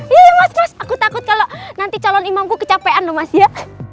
iya mas mas aku takut kalau nanti calon imamku kecapean loh mas ya